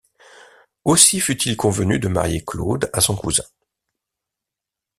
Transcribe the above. Aussi fut-il convenu de marier Claude à son cousin.